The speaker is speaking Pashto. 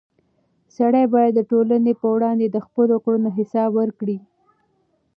سړی باید د ټولنې په وړاندې د خپلو کړنو حساب ورکړي.